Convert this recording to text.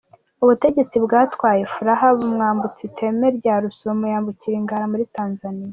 Ubutegetsi bwatwaye Furaha bumwambutsa iteme rya Rusumo yambukira i Ngara muri Tanzania.